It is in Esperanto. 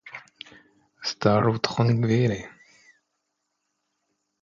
Staru trankvile!